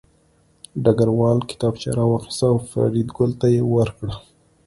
ډګروال کتابچه راواخیسته او فریدګل ته یې ورکړه